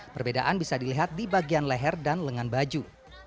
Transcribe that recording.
perbedaan bisa dilihat di bagian leher dan lengan baju